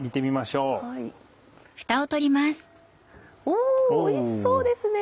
おいしそうですね！